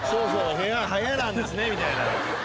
部屋入れないんですねみたいな。